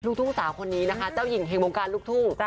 ลูกทุ่งสาวคนนี้นะคะเจ้าหญิงแห่งวงการลูกทุ่ง